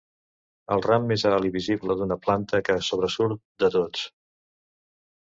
El ram més alt i visible d'una planta, que sobresurt de tots.